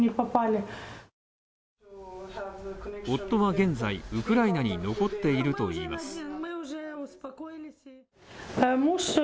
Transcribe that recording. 夫は現在、ウクライナに残っているといいます。